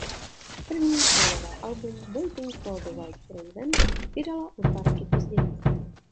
První sólové album "Waiting for the White Raven" vydala o dva roky později.